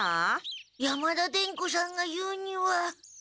山田伝子さんが言うには。